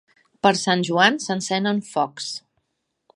Per Sant Joan s'encenen focs.